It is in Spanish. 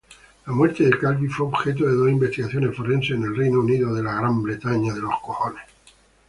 La muerte de Calvi fue objeto de dos investigaciones forenses en el Reino Unido.